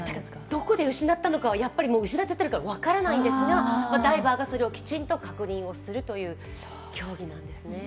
どこで失ったのかはやっぱり失っちゃってるから分からないんですが、ダイバーがそれをきちんと確認をするという競技なんですね。